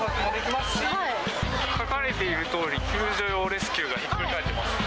書かれているとおり救助用レスキューがひっくり返っています。